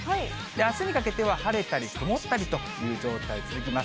あすにかけては晴れたり曇ったりという状態続きます。